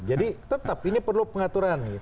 jadi tetap ini perlu pengaturan